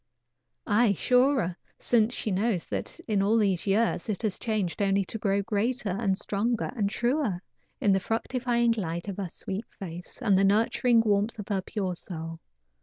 Aye, surer, since she knows that in all these years it has changed only to grow greater and stronger and truer in the fructifying light of her sweet face, and the nurturing warmth of her pure soul.